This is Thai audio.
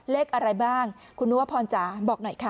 เลขอะไรบ้างคุณนุวพรจ๋าบอกหน่อยค่ะ